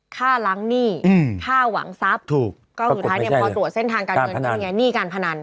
ค่าล้างหนี้ค่าหวังทรัพย์ก็อยู่ท้ายพอตรวจเส้นทางการเงินขึ้นไงหนี้การพนัน